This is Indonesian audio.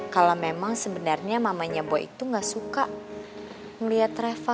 kalau memang sebenarnya mamanya boy itu gak suka melihat travel